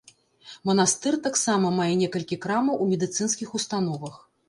Манастыр таксама мае некалькі крамаў у медыцынскіх установах.